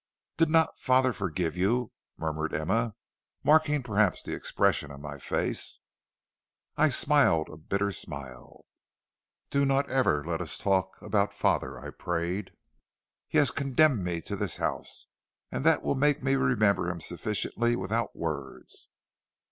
"'Did not father forgive you?' murmured Emma, marking perhaps the expression of my face. "I smiled a bitter smile. "'Do not ever let us talk about father,' I prayed. 'He has condemned me to this house, and that will make me remember him sufficiently without words.'